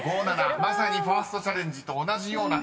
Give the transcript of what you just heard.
まさにファーストチャレンジと同じような展開］